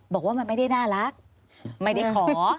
บอกว่ามันไม่ได้น่ารักไม่ได้ขอ